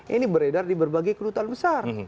ini beredar di berbagai kedutaan besar